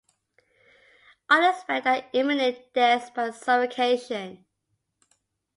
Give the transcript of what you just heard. All expect their imminent deaths by suffocation.